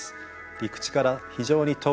陸地から非常に遠い所